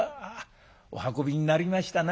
お運びになりましたな。